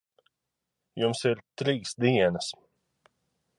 Jums ir trīs dienas.